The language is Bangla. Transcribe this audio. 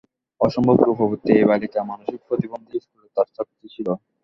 অসম্ভব রূপবতী এই বালিকা মানসিক প্রতিবন্ধী স্কুলে তাঁর ছাত্রী ছিল।